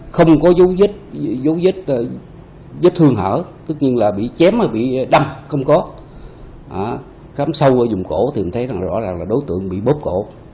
không có khám sâu vào vùng cổ thì mình thấy rõ ràng là đối tượng bị bóp cổ